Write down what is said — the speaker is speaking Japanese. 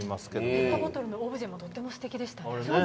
ペットボトルのオブジェもとってもすてきでした。